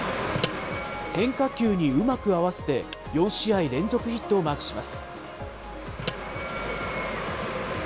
変化球にうまく合わせて、４試合連続ヒットをマークします。